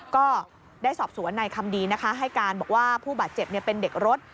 ก็ได้สอบสวนในคำดีนะคะให้การบอกว่าผู้บาดเจ็บเป็นเด็กรถ